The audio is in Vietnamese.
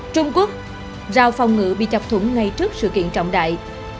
trung quốc rào phòng ngự bị chọc thủng ngay trước sự kiện trọng đại